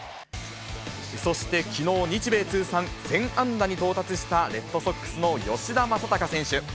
そして、きのう日米通算１０００安打に到達したレッドソックスの吉田正尚選手。